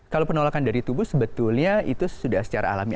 kalau penolakan dari tubuh sebetulnya itu sudah secara alami